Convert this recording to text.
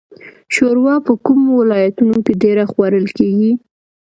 شوروا په کومو ولایتونو کې ډیره خوړل کیږي؟